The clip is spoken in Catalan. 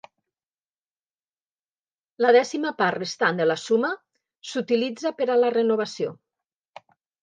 La dècima part restant de la suma s'utilitza per a la renovació.